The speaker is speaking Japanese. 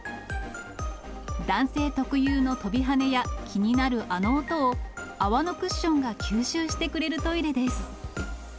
男性特有の飛びはねや気になるあの音を、泡のクッションが吸収してくれるトイレです。